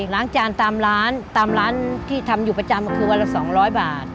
ล้างจานตามร้านตามร้านที่ทำอยู่ประจำก็คือวันละ๒๐๐บาท